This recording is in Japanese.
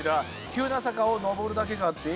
急な坂を上るだけかって？